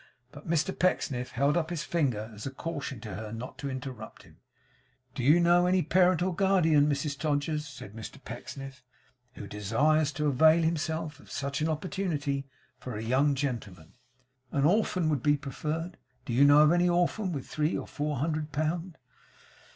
But Mr Pecksniff held up his finger as a caution to her not to interrupt him. 'Do you know any parent or guardian, Mrs Todgers,' said Mr Pecksniff, 'who desires to avail himself of such an opportunity for a young gentleman? An orphan would be preferred. Do you know of any orphan with three or four hundred pound?